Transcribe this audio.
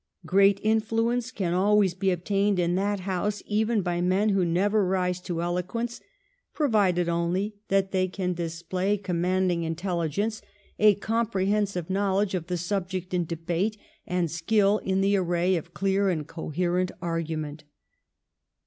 Great influence can always be obtained in that House, even by men who never rise to eloquence, provided only that they can display 220 THE EEIGN OF QUEEN ANNE. ch. xxxi. commanding intelligence, a comprehensive know ledge of the subject in debate, and skill in the array of clear and coherent argument.